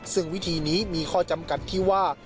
ซึ่งวิธีนี้มีข้อจำกัดที่ว่า